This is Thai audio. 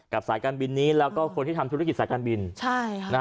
กับสายการบินนี้แล้วก็คนที่ทำธุรกิจสายการบิน